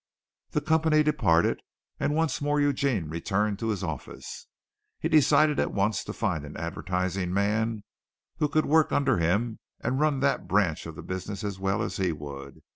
The company departed, and once more Eugene returned to his office. He decided at once to find an advertising man who could work under him and run that branch of the business as well as he would.